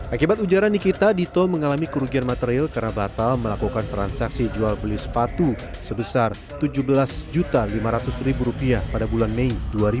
akibat ujaran nikita dito mengalami kerugian material karena batal melakukan transaksi jual beli sepatu sebesar rp tujuh belas lima ratus pada bulan mei dua ribu dua puluh